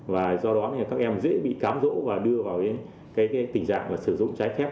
và do đó các em dễ bị cám dỗ và đưa vào tình dạng sử dụng trái khép